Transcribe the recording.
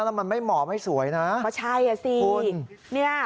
แล้วมันไม่เหมาะไม่สวยนะก็ใช่อ่ะสิคุณเนี่ย